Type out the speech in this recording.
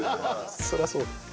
そりゃそうだ。